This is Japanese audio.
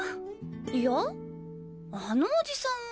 いやあのオジさんは。